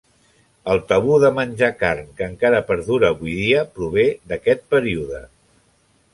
El tabú de menjar carn, que encara perdura avui dia, prové d'aquest període.